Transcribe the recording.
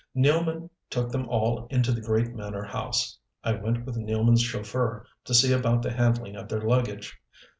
Nealman took them all into the great manor house: I went with Nealman's chauffeur to see about the handling of their luggage.